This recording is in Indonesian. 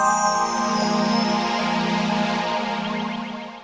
sampai jumpa lagi